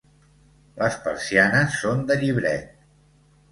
Les persianes són de llibret.